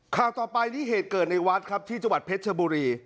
ข่าวต่อไปนี่เหตุเกิดในวัดครับที่จังหวัดเพชรชบุรี